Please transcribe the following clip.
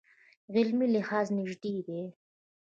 عملي لحاظ نژدې دي.